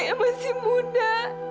dia maya masih muda